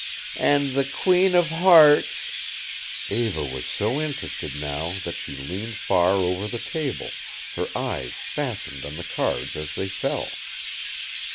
" and the queen of hearts " Eva was so interested now that she leaned far over the table, her eyes fastened on the cards as they fell.